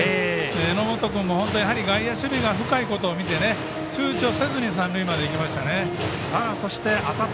榎本君も本当外野守備が深いことを見てちゅうちょせずに三塁までいきましたね。